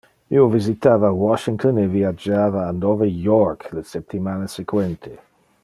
Io visitava Washington e viagiava a Nove York le septimana sequente.